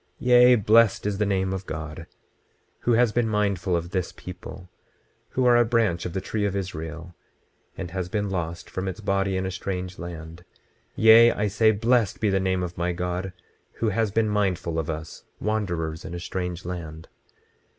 Yea, blessed is the name of my God, who has been mindful of this people, who are a branch of the tree of Israel, and has been lost from its body in a strange land; yea, I say, blessed be the name of my God, who has been mindful of us, wanderers in a strange land.